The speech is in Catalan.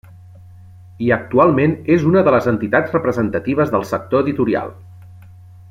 I actualment és una de les entitats representatives del sector editorial.